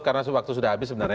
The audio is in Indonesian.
kan tidak bisa